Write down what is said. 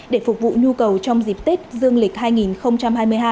để phục vụ nhu cầu trong dịp tết dương lịch hai nghìn hai mươi hai